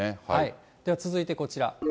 では続いてこちら。